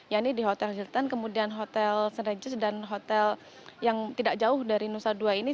yaitu di hotel hidratan kemudian hotel senerijis dan hotel yang tidak jauh dari nusa dua ini